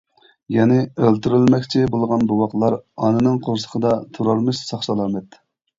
يەنى ئۆلتۈرۈلمەكچى بولغان بوۋاقلار ئانىنىڭ قورسىقىدا تۇرامىش ساق سالامەت.